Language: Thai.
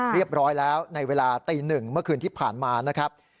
เรียบร้อยแล้วในเวลาตี๑เมื่อคืนที่ผ่านมานะครับ